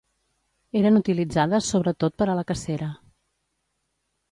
Eren utilitzades sobretot per a la cacera.